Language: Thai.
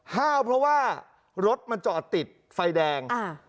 ห้าวเพราะว่ารถมันจอดติดไฟแดง